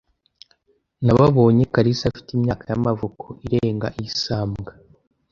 nababonye karisa afite imyaka y’amavuko irenga isambwa